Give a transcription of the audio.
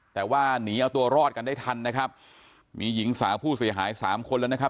แต่ว่าหนีเอาตัวรอดกันได้ทันนะครับมีหญิงสาวผู้เสียหายสามคนแล้วนะครับ